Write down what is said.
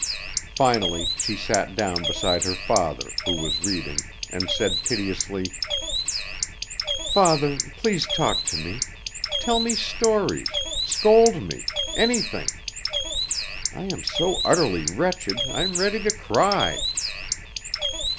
Finally she sat down beside her father, who was reading, and said piteously: "Father, please talk to me; tell me stories, scold me anything! I am so utterly wretched I am ready to cry!"